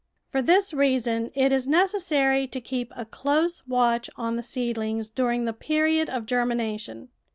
For this reason it is necessary to keep a close watch on the seedlings during the period of germination.